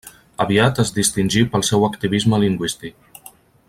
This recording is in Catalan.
Aviat es distingí pel seu activisme lingüístic.